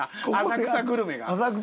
浅草グルメ。